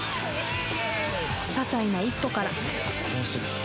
ささいな一歩から